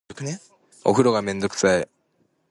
お風呂がめんどくさい